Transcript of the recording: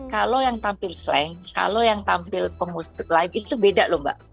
kalau yang tampil slang kalau yang tampil pemusik live itu beda loh mbak